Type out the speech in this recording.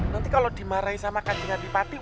nanti kalau dimarahi sama kacingan dipatik